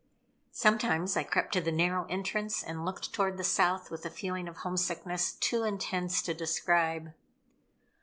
Sometimes I crept to the narrow entrance and looked toward the South with a feeling of homesickness too intense to describe.